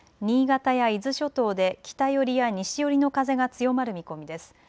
新潟や伊豆諸島で北寄りや西寄りの風が強まる見込みです。